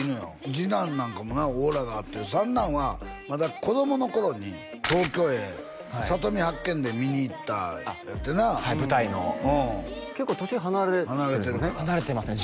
次男なんかもなオーラがあって三男はまだ子供の頃に東京へ「里見八犬伝」見に行ったってなはい舞台の結構年離れて離れてるから離れてますね